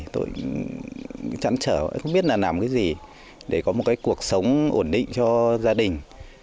tôi chẳng chở không biết làm cái gì để có một cuộc sống ổn định cho gia đình